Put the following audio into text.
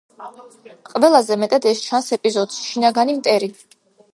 ყველაზე მეტად ეს ჩანს ეპიზოდში „შინაგანი მტერი“.